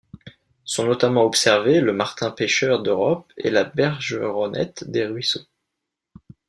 Sont notamment observés le Martin-pêcheur d'Europe et la Bergeronnette des ruisseaux.